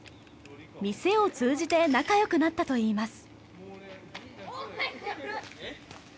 店を通じて仲良くなったといいます。